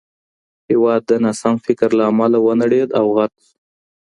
هېواد د ناسم فکر له امله ونړېد او غرق سو.